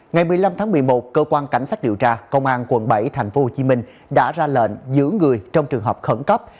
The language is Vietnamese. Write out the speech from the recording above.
ngày một mươi năm tháng một mươi một cơ quan cảnh sát điều tra công an quận bảy tp hcm đã ra lệnh giữ người trong trường hợp khẩn cấp